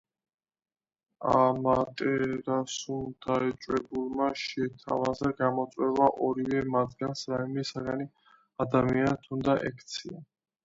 ამატერასუმ, დაეჭვებულმა, შეთავაზა გამოწვევა: ორივე მათგანს რაიმე საგანი ადამიანად უნდა ექცია.